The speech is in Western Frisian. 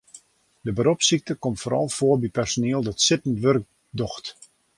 De beropssykte komt foaral foar by personiel dat sittend wurk docht.